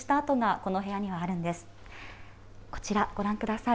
こちら、ご覧ください。